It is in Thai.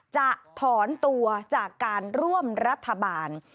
จะถอนตัวจากการร่วมรัฐบาล